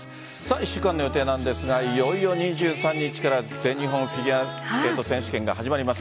１週間の予定なんですがいよいよ２３日から全日本フィギュアスケート選手権が始まります。